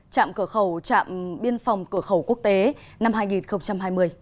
trạm cửa khẩu trạm biên phòng cửa khẩu quốc tế năm hai nghìn hai mươi